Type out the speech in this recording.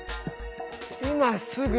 今すぐ！